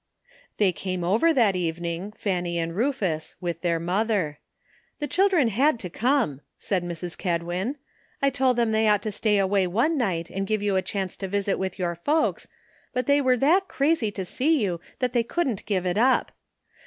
They came over that evening, Fanny and Rufus, with their mother. "The children had to come," said Mrs. Kedwin. "I told them they ought to stay away one night and give you a chance to visit with your folks ; but they were that crazy to see you that they couldn't give it up.